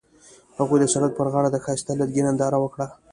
هغوی د سړک پر غاړه د ښایسته لرګی ننداره وکړه.